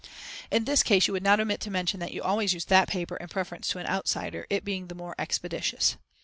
In this case you would not omit to mention that you always use that paper in preference to an outsider, it being the more expeditious.